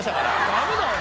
ダメだよ。